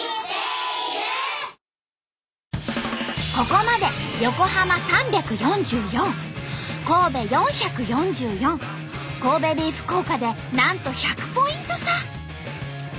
ここまで横浜３４４神戸４４４神戸ビーフ効果でなんと１００ポイント差。